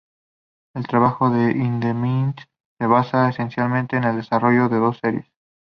El trabajo de Hindemith se basa esencialmente en el desarrollo de dos Series.